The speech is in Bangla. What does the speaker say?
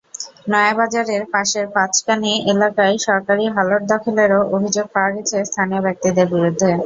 নয়াবাজারের পাশের পাঁচকানি এলাকায় সরকারি হালট দখলেরও অভিযোগ পাওয়া গেছে স্থানীয় ব্যক্তিদের বিরুদ্ধে।